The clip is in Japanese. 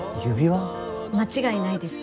間違いないです。